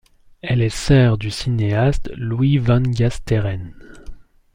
Elle est sœur du cinéaste Louis van Gasteren.